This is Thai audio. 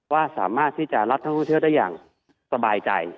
ว่าสามารถที่จะรับท่องเที่ยวได้อย่างสบายใจ